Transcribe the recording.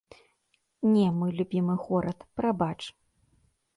Не, мой любімы горад, прабач.